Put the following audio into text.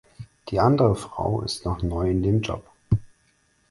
Die andere Frau ist noch neu in dem Job.